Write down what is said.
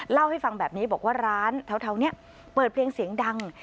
เล่าให้ฟังแบบนี้บอกว่าร้านแถวนี้เปิดเพลงเสียงดัง